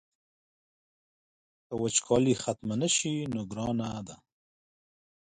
که وچکالي ختمه نه شي نو ګرانه ده.